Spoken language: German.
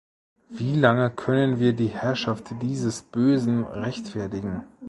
Wie lange können wir die Herrschaft dieses Bösen rechtfertigen?